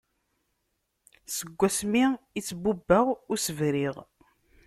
Seg ass mi i tt-bubbeɣ ur s-briɣ.